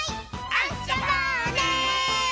あそぼうね！